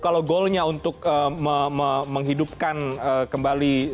kalau goalnya untuk menghidupkan kembali